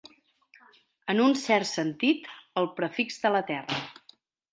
En un cert sentit, el prefix de la Terra.